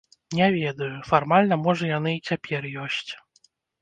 Не ведаю, фармальна можа яны і цяпер ёсць.